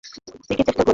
দেখি চেষ্টা করে।